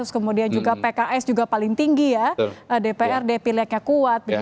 kemudian juga pks juga paling tinggi ya dprd pileknya kuat